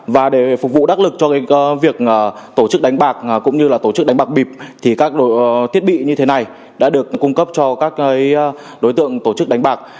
và để phục vụ đắc lực cho việc tổ chức đánh bạc cũng như là tổ chức đánh bạc bịp thì các thiết bị như thế này đã được cung cấp cho các đối tượng tổ chức đánh bạc